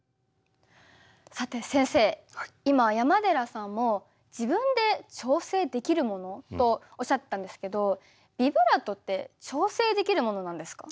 さて先生今山寺さんも自分で調整できるもの？とおっしゃってたんですけどビブラートって調整できるものなんですか？